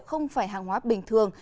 không phải hàng hóa bình thường